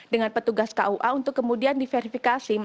dengan petugas kua untuk kemudian diverifikasi